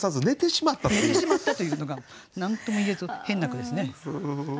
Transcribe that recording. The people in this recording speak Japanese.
寝てしまったというのが何とも言えず変な句ですね。